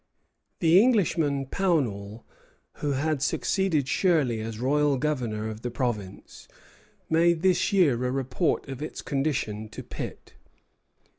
The Englishman Pownall, who had succeeded Shirley as royal governor of the province, made this year a report of its condition to Pitt.